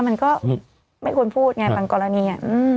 มันก็ไม่ควรพูดไงบางกรณี